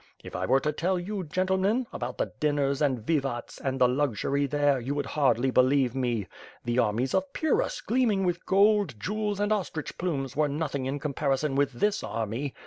If I were to tell you, gentlemen, about the dinners and vivats, and the luxury there, you would hardly believe me. The armies of Pyrrhus, gleam ing with gold, jewels, and ostrich plumes, were nothing in comparison with this army.